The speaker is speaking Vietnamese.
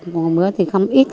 còn cái bữa thì không ít